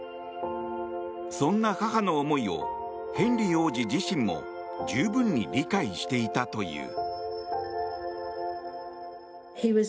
そんな母の思いをヘンリー王子自身も十分に理解していたという。